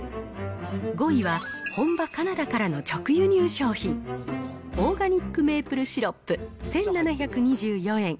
５位は、本場カナダからの直輸入商品、オーガニックメープルシロップ１７２４円。